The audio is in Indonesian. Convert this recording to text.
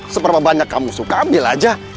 seberapa banyak kamu suka ambil aja